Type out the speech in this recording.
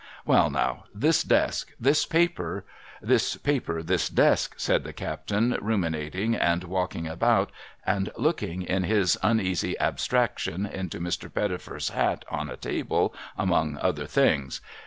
A\'a'al, now. This desk, this paper, — this paper, this desk,' said the cajjtain, ruminating and walking about, and looking, in his uneasy abstraction, into NIr. Tettifer's hat on a table, among other things.